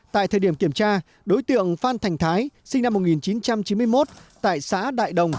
tại thời điểm kiểm tra đối tượng phan thành thái sinh năm một nghìn chín trăm chín mươi một